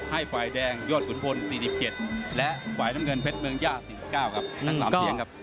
ให้ฝ่ายแดงยอดขุนพล๔๗และฝ่ายน้ำเงินเพชรเมืองย่า๔๙ครับทั้ง๓เสียงครับ